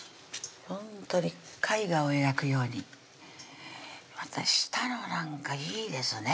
ほんとに絵画を描くようにまた下のなんかいいですね